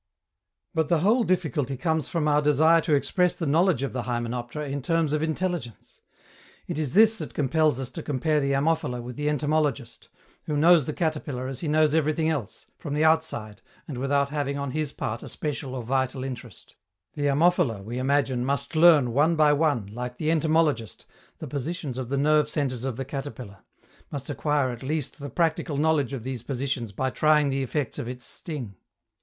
But the whole difficulty comes from our desire to express the knowledge of the hymenoptera in terms of intelligence. It is this that compels us to compare the Ammophila with the entomologist, who knows the caterpillar as he knows everything else from the outside, and without having on his part a special or vital interest. The Ammophila, we imagine, must learn, one by one, like the entomologist, the positions of the nerve centres of the caterpillar must acquire at least the practical knowledge of these positions by trying the effects of its sting.